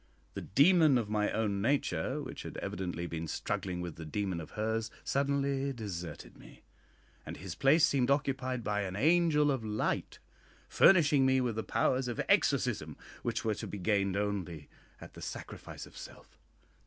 The demon of my own nature, which had evidently been struggling with the demon of hers, suddenly deserted me, and his place seemed occupied by an angel of light, furnishing me with the powers of exorcism, which were to be gained only at the sacrifice of self.